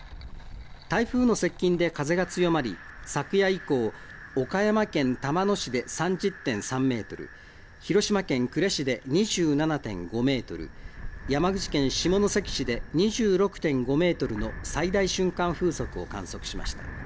台風の接近で風が強まり昨夜以降、岡山県玉野市で３０．３メートル、広島県呉市で２７．５メートル、山口県下関市で２６．５メートルの最大瞬間風速を観測しました。